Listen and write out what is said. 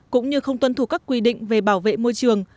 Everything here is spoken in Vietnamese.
cũng như không tuân thủ các quy định về bảo vệ môi trường